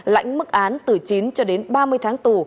lãnh mức án từ chín cho đến ba mươi tháng tù